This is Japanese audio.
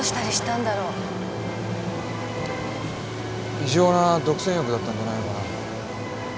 異常な独占欲だったんじゃないのかな。